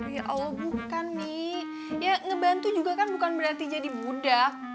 biar allah bukan nih ya ngebantu juga kan bukan berarti jadi budak